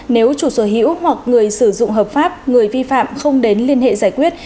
nếu chủ sở hữu hoặc người sử dụng hợp pháp người vi phạm không đến liên hệ giải quyết